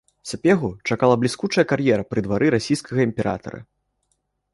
Сапегу чакала бліскучая кар'ера пры двары расійскага імператара.